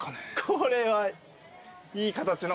これはいい形の。